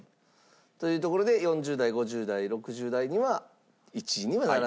というところで４０代５０代６０代には１位にはならないんじゃないか